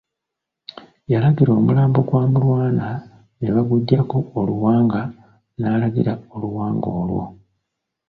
Yalagira omulambo gwa Mulwana ne baguggyako oluwanga n'alagira oluwanga olwo.